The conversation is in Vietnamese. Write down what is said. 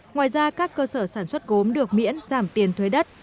ngoài ra các cơ sở sản xuất gốm được miễn giảm tiền thuế đất